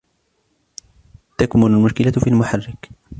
تكمن المشكلة في المحرك.